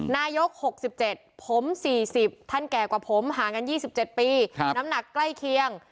นายก๖๗ผม๔๐ท่านแก่กว่าผมห่างกัน๒๗ปีน้ำหนักใกล้เคียง